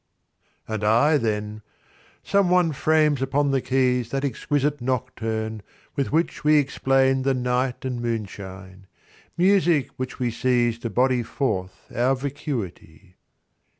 And I then: "Some one frames upon the keys That exquisite nocturne, with which we explain The night and moonshine; music which we seize To body forth our vacuity."